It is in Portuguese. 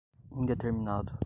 indeterminado